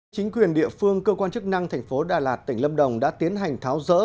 chính quyền địa phương cơ quan chức năng tp đà lạt tỉnh lâm đồng đã tiến hành tháo rỡ